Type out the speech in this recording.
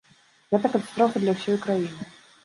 Гэта катастрофа для ўсёй краіны.